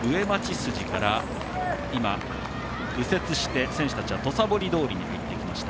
筋から今、右折して選手たちは土佐堀通に入っていきました。